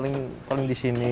dimana bang diatas sini